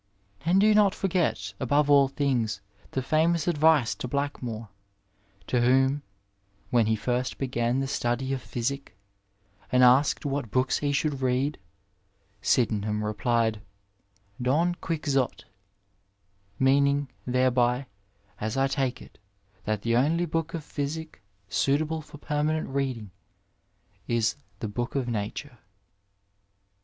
And do not fprget, above all things, the famous advice to Blackmore, to whom, when he first began the study of physic, and asked what books he should read, Sydenham replied, Don Quixote, meaning thereby, as I take it, that the only book of physic suitable for permanent reading is the book of Nature."